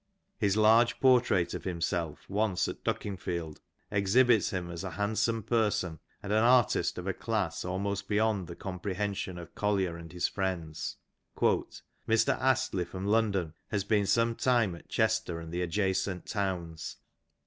His large portrait of himself once at Dukinfield exhibits him as a handsome person, and an artist of a class almost beyond the com prehension of Collier and his friends. " Mr. Astley from London "has been some time at Chester and the adjacent towns.